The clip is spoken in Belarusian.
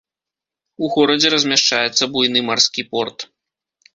У горадзе размяшчаецца буйны марскі порт.